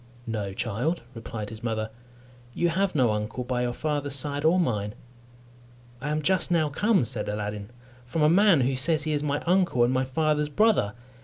"No, child," replied his mother, "you have no uncle by your father's side or mine." "I am just now come," said Aladdin, "from a man who says he is my uncle and my father's brother.